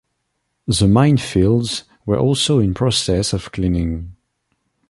The mine fields were also in process of cleaning.